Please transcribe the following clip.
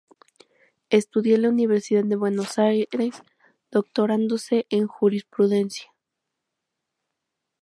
Estudió en la Universidad de Buenos Aires, doctorándose en jurisprudencia.